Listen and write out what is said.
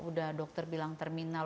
udah dokter bilang terminal